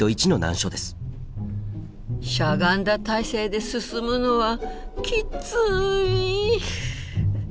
しゃがんだ体勢で進むのはきつい。